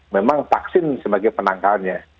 memang vaksin sebagai penangkalnya